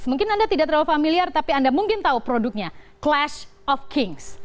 mungkin anda tidak terlalu familiar tapi anda mungkin tahu produknya clash of kings